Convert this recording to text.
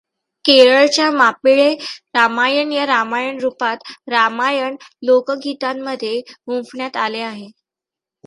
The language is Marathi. केरळच्या मापिळ्ळे रामायण या रामायण रूपात रामायण लोकगीतांमध्ये गुंफण्यात आले आहे.